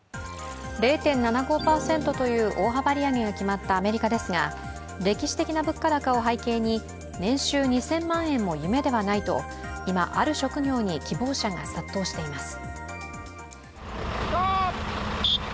０．７５％という大幅利上げが決まったアメリカですが歴史的な物価高を背景に年収２０００万円も夢ではないと今、ある職業に希望者が殺到しています。